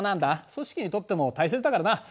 組織にとっても大切だからな。